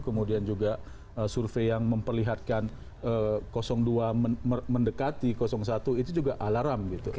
kemudian juga survei yang memperlihatkan dua mendekati satu itu juga alarm gitu